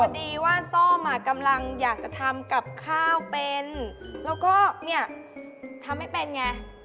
ดีว่าซ่อมอ่ะกำลังอยากจะทำกับข้าวเป็นแล้วก็เนี่ยทำไม่เป็นไง